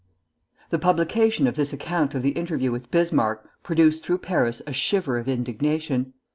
The publication of this account of the interview with Bismarck produced through Paris a shiver of indignation.